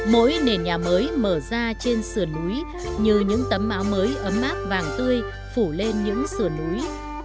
mỗi nền nhà mới mở ra trên sườn núi như những tấm áo mới ấm áp vàng tươi phủ lên những sườn núi